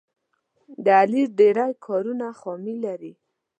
د علي ډېری کارونه خامي لري.